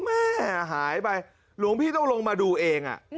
แม่หายไปหลวงพี่ต้องลงมาดูเอง